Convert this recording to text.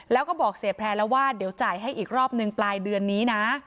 แล้วก็บอกเสียแพร่แล้วว่าเดี๋ยวจ่ายให้อีกรอบหนึ่งปลายเดือนนี้นะ